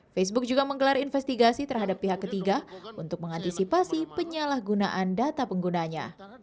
facebook juga menggelar investigasi terhadap pihak ketiga untuk mengantisipasi penyalahgunaan data penggunanya